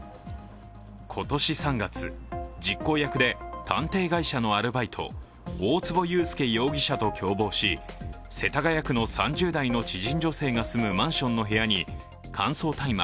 今年３月、実行役で探偵会社のアルバイト大坪裕介容疑者と共謀し世田谷区の３０代の知人女性が住むマンションの部屋に乾燥大麻